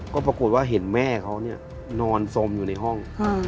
ก็ปรากฏว่าเห็นแม่เขานอนสมอยู่ในห้อง